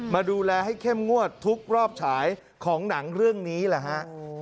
มาดูแลให้เข้มงวดทุกรอบฉายของหนังเรื่องนี้แหละฮะ